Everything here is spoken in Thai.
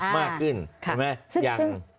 มากขึ้นใช่ไหม